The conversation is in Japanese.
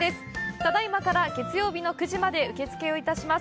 ただいまから月曜日の９時まで受付をいたします。